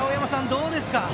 どうですか。